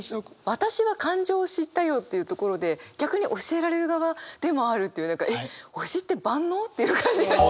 「私は感情を知ったよ」っていうところで逆に教えられる側でもあるっていうえっ推しって万能？という感じがして。